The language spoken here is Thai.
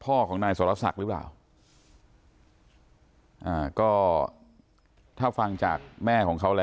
ถ้าเป็นญาติพินองของคุณโดยกระทำแบบนั้นคุณจะกิจยังไง